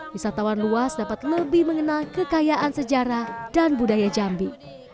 wisatawan luas dapat lebih mengenal kekayaan sejarah dan budaya jambi